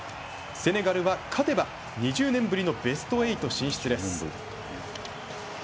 セネガルは勝てば２０年ぶりのベスト８進出です。